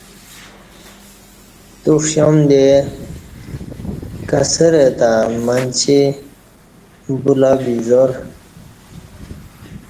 تو ݜیام جے کسہ رہ تہ منچی بولہ بے زا ر